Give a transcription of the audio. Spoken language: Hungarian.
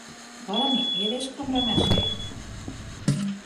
Valami éléskamramesét?